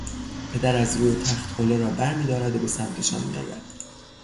پدر از روی تخت حوله را برمیدارد و به سمتشان میآید